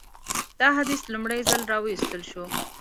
دا حدیث لومړی ځل راوایستل شو.